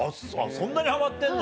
そんなにハマってんの？